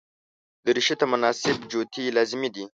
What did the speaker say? دریشي ته مناسب جوتي لازمي دي.